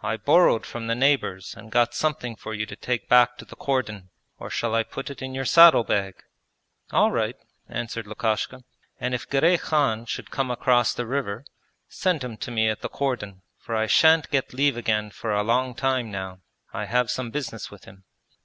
I borrowed from the neighbours and got something for you to take back to the cordon; or shall I put it in your saddle bag?' 'All right,' answered Lukashka. 'And if Girey Khan should come across the river send him to me at the cordon, for I shan't get leave again for a long time now; I have some business with him.'